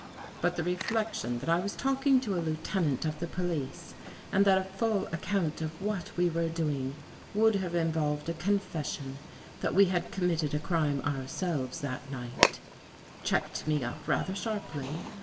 But the reflection that I was talking to a lieutenant of the police and that a full account of what we were doing would have involved a con fession that we had committed a crime ourselves that night, checked me up rather sharply.